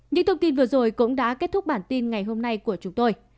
những thông tin vừa rồi cũng đã kết thúc bản tin ngày hôm nay của chúng tôi